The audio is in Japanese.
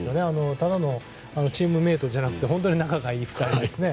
ただのチームメートじゃなくて本当に仲のいい２人ですね。